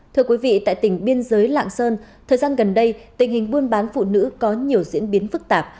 thưa quý vị tại tỉnh biên giới lạng sơn thời gian gần đây tình hình buôn bán phụ nữ có nhiều diễn biến phức tạp